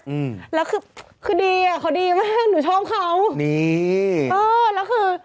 อืมแล้วคือคือดีอ่ะเขาดีมากหนูชอบเขานี่เออแล้วคือ